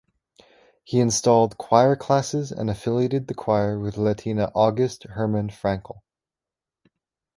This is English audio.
He installed choir classes and affiliated the choir with Latina August Hermann Francke.